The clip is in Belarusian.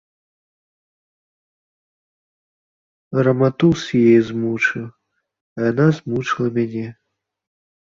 Раматус яе змучыў, а яна змучыла мяне.